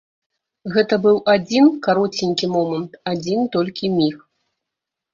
Гэта быў адзін кароценькі момант, адзін толькі міг.